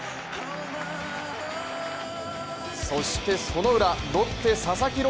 そしてそのウラ、ロッテ・佐々木朗